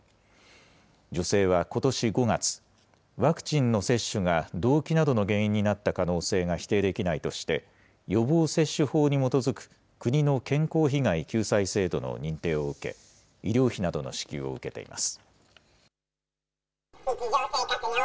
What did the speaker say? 女性はことし５月、ワクチンの接種が動機などの原因になった可能性が否定できないとして、予防接種法に基づく国の健康被害救済制度の認定を受け、医療費などの支給を受けています。